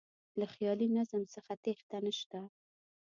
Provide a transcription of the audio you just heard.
له خیالي نظم څخه تېښته نه شته.